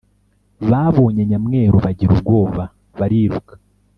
babonye nyamweru bagira ubwoba bariruka